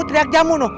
teriak jamu no